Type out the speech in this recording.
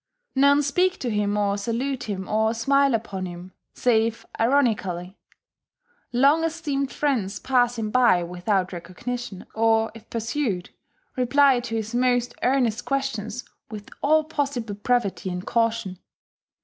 None speak to him or salute him or smile upon him save ironically: long esteemed friends pass him by without recognition, or, if pursued, reply to his most earnest questions with all possible brevity and caution.